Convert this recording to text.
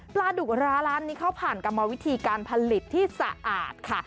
ปลาดุกร้าร้านนี้เขาผ่านกรรมวิธีการผลิตที่สะอาดค่ะ